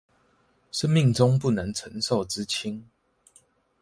生命中不能承受之輕